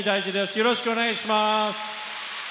よろしくお願いします。